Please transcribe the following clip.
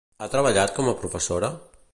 Ha treballat com a professora?